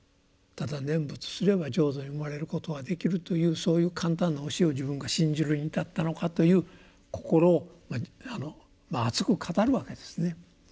ただ念仏すれば浄土に生まれることができるというそういう簡単な教えを自分が信じるに至ったのかという心をまあ熱く語るわけですね。